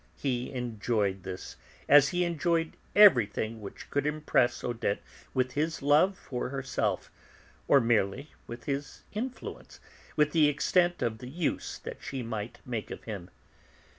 He enjoyed this, as he enjoyed everything which could impress Odette with his love for herself, or merely with his influence, with the extent of the use that she might make of him.